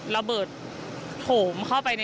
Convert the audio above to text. ระเบิดโถมเข้าไป